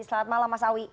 selamat malam mas awi